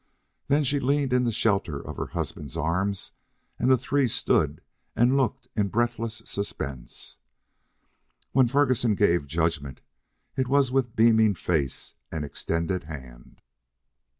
Then she leaned in the shelter of her husband's arm, and the three stood and looked in breathless suspense. When Ferguson gave judgment, it was with beaming face and extended hand.